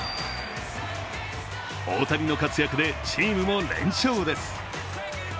大谷の活躍でチームも連勝です。